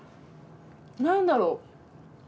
何だろう？